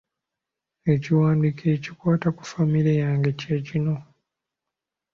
Ekiwandiiko ekikwata ku ffamire yange kye kino.